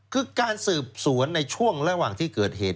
คือการสืบสวนในช่วงระหว่างที่เกิดเหตุ